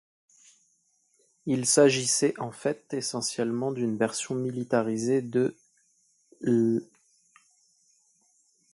Il s'agissait en fait essentiellement d'une version militarisée de l''.